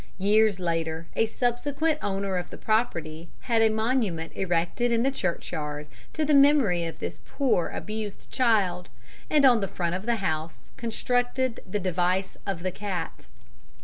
Years later, a subsequent owner of the property had a monument erected in the churchyard to the memory of this poor, abused child, and on the front of the house constructed the device of the cat.